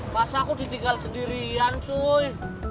masa aku ditinggal sendirian cuy